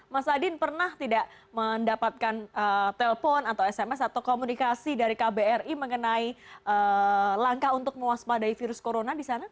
mas adin pernah tidak mendapatkan telpon atau sms atau komunikasi dari kbri mengenai langkah untuk mewaspadai virus corona di sana